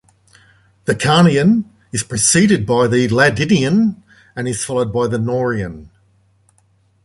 The Carnian is preceded by the Ladinian and is followed by the Norian.